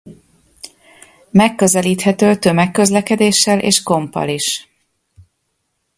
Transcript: Megközelíthető tömegközlekedéssel és komppal is.